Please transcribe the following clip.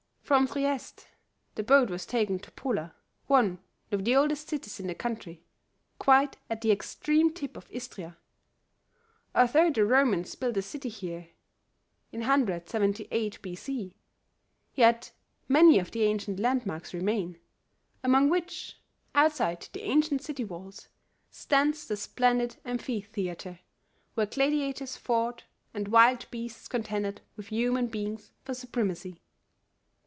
From Trieste the boat was taken to Pola, one of the oldest cities in the country, quite at the extreme tip of Istria. Although the Romans built a city here in 178 B. C., yet many of the ancient landmarks remain, among which, outside the ancient city walls, stands the splendid Amphitheatre where gladiators fought and wild beasts contended with human beings for supremacy.